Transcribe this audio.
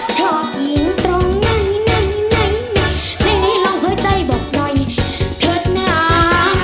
ชอบอินตรงในในในในในห้องหัวใจบอกหน่อยเผ็ดหน้า